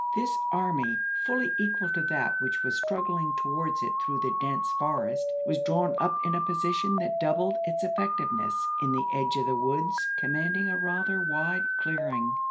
This army, fully equal to that which was struggling to wards it through the dense forest, was drawn up in a position that doubled its effectiveness, in the edge of the woods commanding a rather wide clearing.